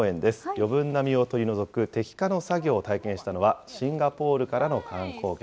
余分な実を取り除く摘果の作業を体験したのは、シンガポールからの観光客。